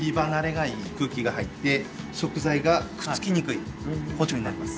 空気が入って食材がくっつきにくい包丁になります。